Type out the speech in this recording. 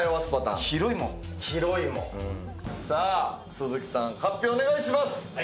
鈴木さん、発表お願いします。